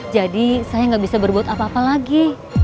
jadi saya gak bisa berbuat apa apa lagi